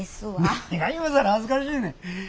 何が今更恥ずかしいねん。